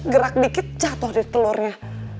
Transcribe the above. gerak dikit jatuh telurnya